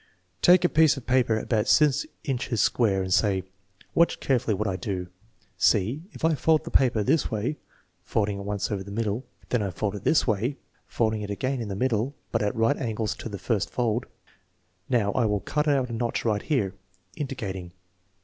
Take a piece of paper about six inches square and say: " Watch carefully what I do. See, I fold the 'paper this way (folding it once over in the middle), then I fold it this way (folding it again in the middle, but at right angles to the first fold). Now, I will cut out a notch right here " (indicating).